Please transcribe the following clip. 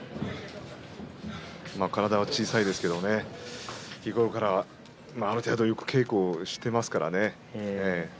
体は小さいですが日頃からよく稽古をしていますからね。